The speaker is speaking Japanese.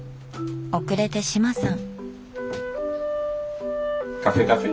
遅れて志麻さん。